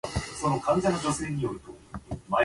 Exposure to an arc-producing device can pose health hazards.